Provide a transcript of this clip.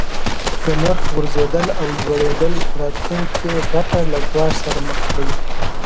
د نرخ غورځیدل او لوړیدل راتلونکې ګټه له ګواښ سره مخ کوي.